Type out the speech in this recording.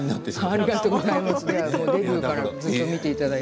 ありがとうございます。